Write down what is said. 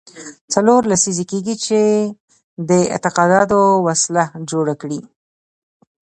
څلور لسیزې کېږي چې دې اعتقاداتو وسله جوړه کړې.